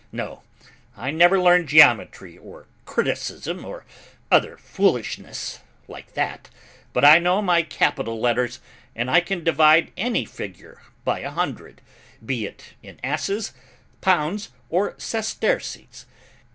No, I never learned geometry or criticism or other foolishness like that, but I know my capital letters and I can divide any figure by a hundred, be it in asses, pounds or sesterces.